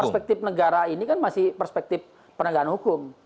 karena perspektif negara ini kan masih perspektif penegakan hukum